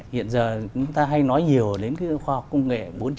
hiện giờ chúng ta hay nói nhiều đến khoa học công nghệ bốn